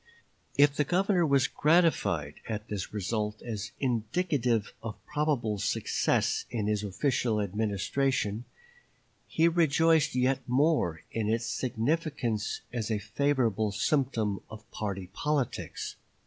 If the Governor was gratified at this result as indicative of probable success in his official administration, he rejoiced yet more in its significance as a favorable symptom of party politics.